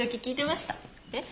えっ？